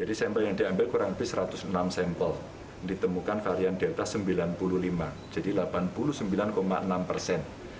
jadi sampel yang diambil kurang lebih satu ratus enam sampel ditemukan varian delta sembilan puluh lima jadi delapan puluh sembilan enam persen